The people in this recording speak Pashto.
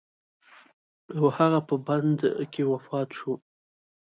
او هغه په بند کې وفات شو.